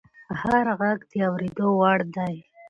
هر غږ د اورېدو وړ دی